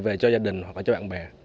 về cho gia đình hoặc cho bạn bè